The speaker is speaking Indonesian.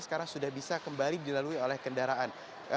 sekarang sudah bisa kembali dilalui oleh kendaraan